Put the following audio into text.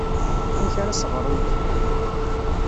Amek ara as-ɣrent?